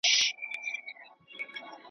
خړي څانګي تور زاغان وای .